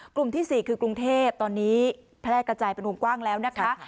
กลุ่มที่๔คือกรุงเทพตอนนี้แพร่กระจายเป็นวงกว้างแล้วนะคะ